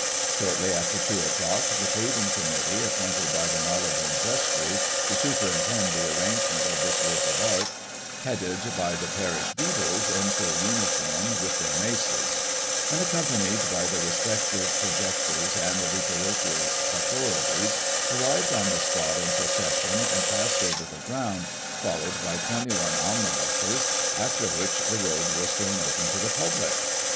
Shortly after 2 o'clock, the Paving Committee appointed by the Marylebone Vestry to superintend the arrangement of this work of art, headed by the parish beadles, in full xmiform, with their maces; and accompanied by the respective pro jectors and the parochial authorities, arrived on the spot in procession, and passed over the ground, followed by 21 omni buses, after which, the road was thrown open to the public.